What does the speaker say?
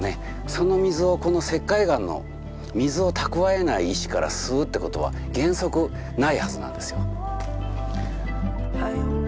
その水をこの石灰岩の水を蓄えない石から吸うってことは原則ないはずなんですよ。